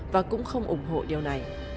và cũng không ủng hộ điều này